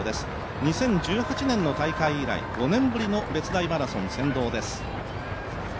２０１８年の大会以来、５年ぶりの別大マラソン先導です。